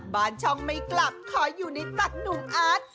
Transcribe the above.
บ้านช่องไม่กลับขออยู่ในตัดหนุ่มอาร์ต